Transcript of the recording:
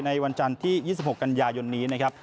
วันจันทร์ที่๒๖กันยายนนี้นะครับ